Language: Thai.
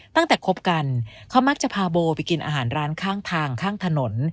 คบกันเขามักจะพาโบไปกินอาหารร้านข้างทางข้างถนน